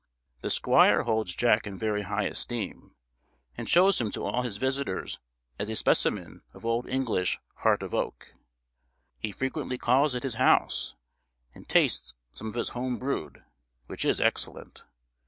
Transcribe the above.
The squire holds Jack in very high esteem, and shows him to all his visitors as a specimen of old English "heart of oak." He frequently calls at his house, and tastes some of his home brewed, which is excellent.